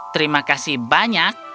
terima kasih banyak